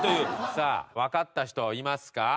さあわかった人はいますか？